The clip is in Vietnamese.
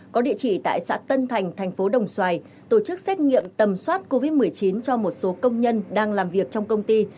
có địa chỉ tại xã tân thành thành phố đồng xoài tổ chức xét nghiệm tầm soát covid một mươi chín cho một số công nhân đang làm việc trong công ty